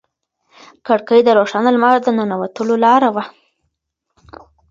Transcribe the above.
کړکۍ د روښانه لمر د ننوتلو لاره وه.